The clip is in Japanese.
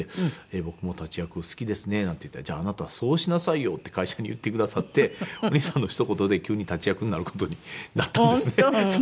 「僕も立役好きですね」なんて言ったら「じゃああなたそうしなさいよ」って会社に言ってくださってお兄さんのひと言で急に立役になる事になったんですね。